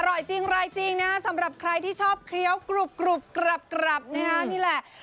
อร่อยจริงรายจริงนะสำหรับใครที่ชอบเคี้ยวกรุบกรับนะฮะนี่แหละ